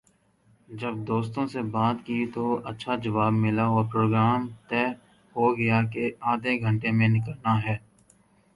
جب دوستوں سے بات کی تو اچھا جواب ملا اور پروگرام طے ہو گیا کہ آدھےگھنٹے میں نکلنا ہے ۔